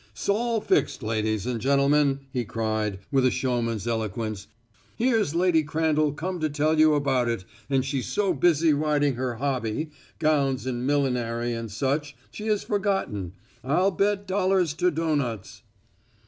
"'S all fixed, ladies and gentlemen," he cried, with a showman's eloquence. "Here's Lady Crandall come to tell you about it, and she's so busy riding her hobby gowns and millinery and such she has forgotten. I'll bet dollars to doughnuts."